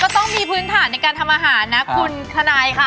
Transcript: ต้องมีพื้นฐานในการทำอาหารนะคุณทนายค่ะ